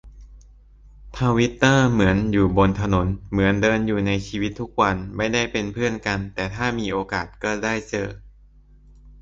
ทวิตเตอร์เหมือนอยู่บนถนน เหมือนเดินอยู่ในชีวิตทุกวัน ไม่ได้เป็นเพื่อนกัน แต่ถ้ามีโอกาสก็ได้เจอ